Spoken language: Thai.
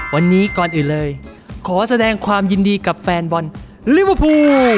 วันนี้ก่อนอื่นเลยขอแสดงความยินดีกับแฟนบอลลิเวอร์พูล